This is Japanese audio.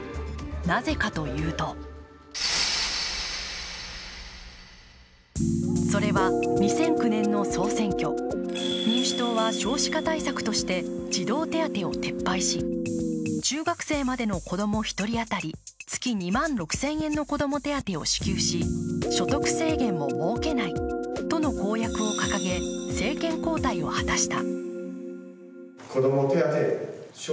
なぜかというとそれは２００９年の総選挙、民主党は少子化対策として児童手当を撤廃し、中学生までの子供１人当たり月２万６０００円の子供手当を支給し、所得制限を設けないとの公約を掲げ、政権交代を果たした。